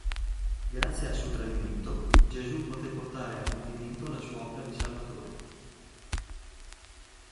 Grazie al suo tradimento Gesù poté portare a compimento la sua opera di Salvatore.